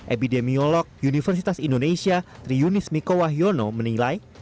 epidemiolog universitas indonesia triunis miko wahyono menilai